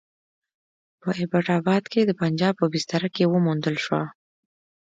په ایبټ اباد کې د پنجاب په بستره کې وموندل شوه.